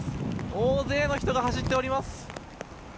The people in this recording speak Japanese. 大勢の人が走っております。